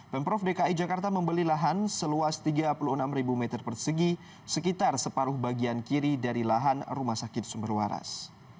pemprov dki jakarta membeli lahan seluas tiga puluh enam meter persegi sekitar separuh bagian kiri dari lahan rumah sakit sumber waras